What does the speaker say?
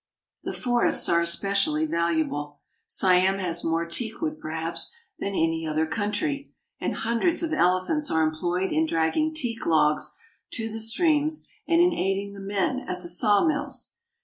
The forests are especially valuable. Siam has more teakwood perhaps than any other country, and hundreds of elephants are employed in dragging teak logs to the streams and in aiding the men at the sawmills.